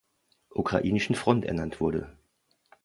Ukrainischen Front ernannt wurde.